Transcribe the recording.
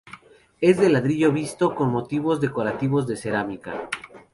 Es de ladrillo visto con motivos decorativos de cerámica.